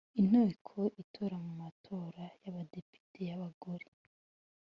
inteko itora mu matora y abadepite b abagore